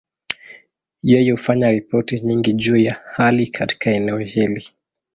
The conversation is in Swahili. Yeye hufanya ripoti nyingi juu ya hali katika eneo hili.